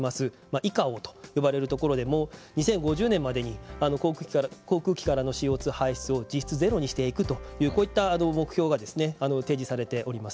ＩＣＡＯと呼ばれるところでも２０５０年までに航空機からのＣＯ２排出を実質ゼロにしていくというこういった目標が提示されております。